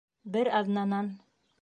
Бер аҙнанан